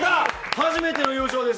初めての優勝です！